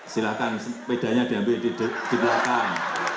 silahkan sepedanya diambil di belakang